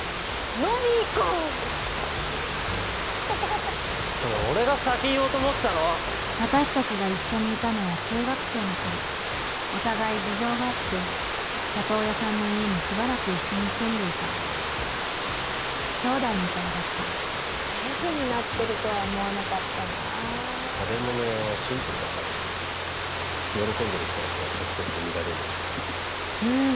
飲み行こうそれ俺が先言おうと思ってたの私達が一緒にいたのは中学生の頃お互い事情があって里親さんの家にしばらく一緒に住んでいたきょうだいみたいだったシェフになってるとは思わなかったな食べ物屋はシンプルだから喜んでる人の顔直接見られるでしょうん